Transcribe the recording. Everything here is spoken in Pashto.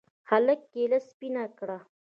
هلك کېله سپينه کړه.